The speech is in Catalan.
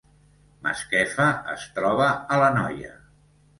Masquefa es troba a l’Anoia